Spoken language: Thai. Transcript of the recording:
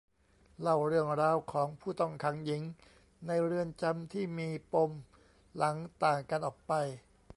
เล่าเรื่องราวของผู้ต้องขังหญิงในเรือนจำที่มีปมหลังต่างกันออกไป